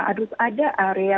harus ada area